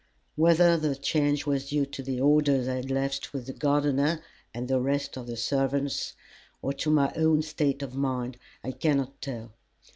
Whether the change was due to the orders I had left with the gardener and the rest of the servants, or to my own state of mind, I cannot tell.